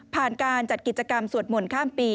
ผ่านการจัดกิจกรรมสวดหม่นข้ามปี